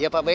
iya pak be